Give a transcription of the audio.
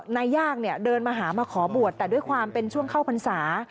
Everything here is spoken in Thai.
นายยากเนี่ยเดินมาหามาขอบวชแต่ด้วยความเป็นช่วงเข้าพรรษา